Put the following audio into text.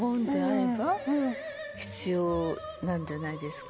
なんじゃないですか？